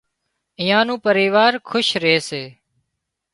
ايئان نُون پريوار کُش ري سي